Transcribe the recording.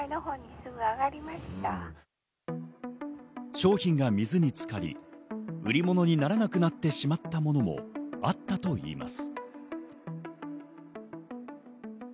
商品が水につかり、売り物にならなくなってしまったものもあったといいます。